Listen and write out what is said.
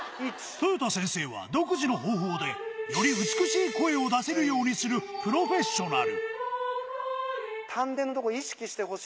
豊田先生は独自の方法で、より美しい声を出せるようにするプロフェッショナル。